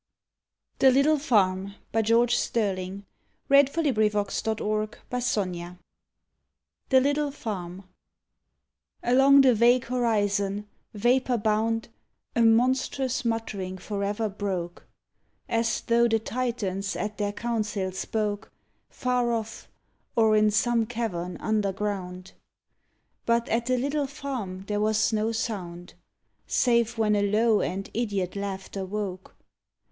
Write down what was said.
d night, Above Time s charnel scowls with armored brow. ON THE GREAT WAR THE LITTLE FARM Along the vague horizon, vapor bound, A monstrous muttering forever broke, As tho the Titans at their council spoke, Far off, or in some cavern underground; But at the little farm there was no sound, Save when a low and idiot laughter woke.